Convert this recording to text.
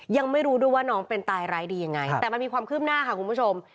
ยังไม่รู้ด้วยว่าน้องเป็นตายร้ายดียังไงแต่มันมีความคืบหน้าค่ะคุณผู้ชม